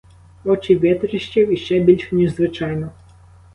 Очі витріщив іще більше, ніж звичайно.